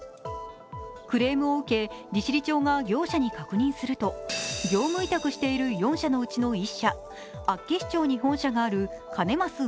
クレームを受け、利尻町が業者に確認すると、業務委託している４社のうちの１社、厚岸町に本社があるカネマス